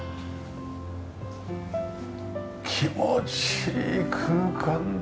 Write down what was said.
気持ちいい空間だ。